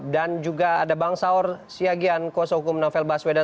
dan juga ada bang saur siagian kuasa hukum novel baswedan